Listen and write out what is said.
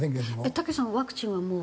たけしさんはワクチンはもう？